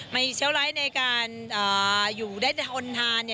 ไม่เชียวไร้ในการอยู่ได้ทนทาน